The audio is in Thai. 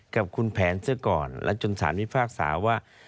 กับคุณแผนซะก่อนและจนสารพิพากษาว่า